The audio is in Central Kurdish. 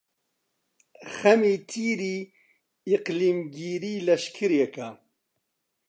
خەمی تیری ئیقلیمگیری لەشکرێکە،